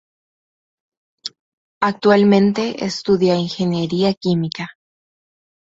Actualmente estudia Ingeniería Química.